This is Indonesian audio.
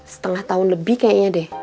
setengah tahun lebih kayaknya deh